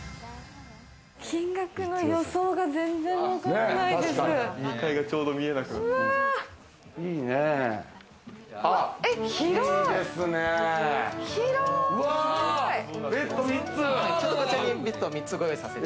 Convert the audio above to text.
金額の予想が全然わかんないです。